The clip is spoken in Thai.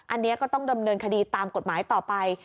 อันนี้ก็ต้องดำเนินคดีตามกฎหมายต่อไป